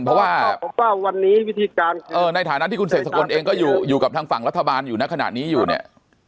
เพราะว่าวันนี้วิธีการในฐานะที่คุณเสกสกลเองก็อยู่กับทางฝั่งรัฐบาลอยู่ในขณะนี้อยู่เนี่ย